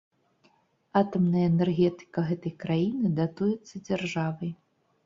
Атамная энергетыка гэтай краіны датуецца дзяржавай.